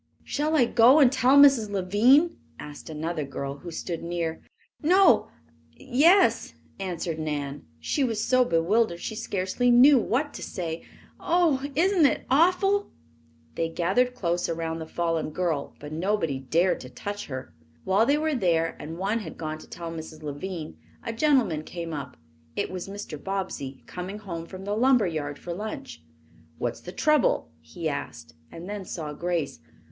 "Shall I go and tell Mrs. Lavine?" asked another girl who stood near. "No yes," answered Nan. She was so bewildered she scarcely knew what to say. "Oh, isn't it awful!" They gathered close around the fallen girl, but nobody dared to touch her. While they were there, and one had gone to tell Mrs. Lavine, a gentleman came up. It was Mr. Bobbsey, coming home from the lumber yard for lunch. "What is the trouble?" he asked, and then saw Grace.